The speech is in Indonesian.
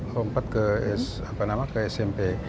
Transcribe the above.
lompat ke smp